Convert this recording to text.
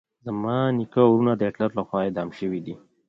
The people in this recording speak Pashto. زما نیکه او ورونه د هټلر لخوا اعدام شويدي.